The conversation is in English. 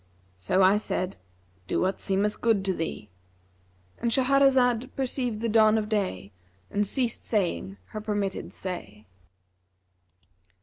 So I said, 'Do what seemeth good to thee;'—And Shahrazad perceived the dawn of day and ceased saying her permitted say.